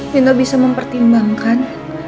nino bisa mempertimbangkan